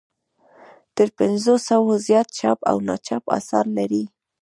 تر پنځو سوو زیات چاپ او ناچاپ اثار لري.